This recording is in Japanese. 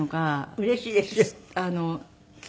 うれしいでしょ？